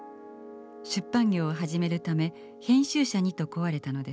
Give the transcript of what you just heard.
出版業を始めるため編集者にと請われたのです。